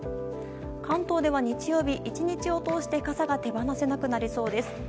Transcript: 関東では日曜日、１日を通して傘が手放せなくなりそうです。